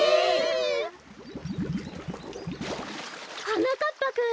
はなかっぱくん！